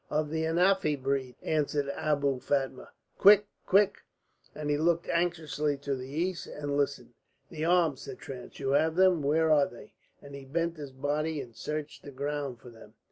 "Of the Anafi breed," answered Abou Fatma. "Quick! Quick!" and he looked anxiously to the east and listened. "The arms?" said Trench. "You have them? Where are they?" and he bent his body and searched the ground for them.